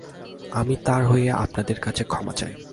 আমি তার হয়ে আপনাদের কাছে ক্ষমা চাই।